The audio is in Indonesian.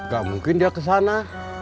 gak mungkin dia kesana